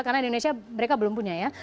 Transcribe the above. karena indonesia mereka belum punya ya